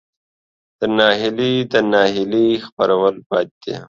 تر ناهیلۍ د ناهیلۍ خپرول بد دي.